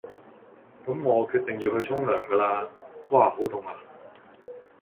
咁我決定要去沖涼㗎啦，嘩好凍呀！